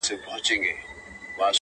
هغه فني یانې هنري ښکلا ده